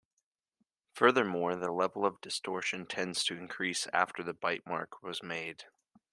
Furthermore, the level of distortion tends to increase after the bite mark was made.